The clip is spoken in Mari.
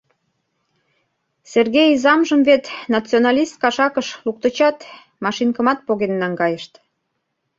Серге изамжым вет националист кашакыш луктычат, машинкымат поген наҥгайышт.